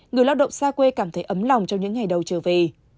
người lao động xa quê cảm thấy ấm lòng trong những ngày đầu trở về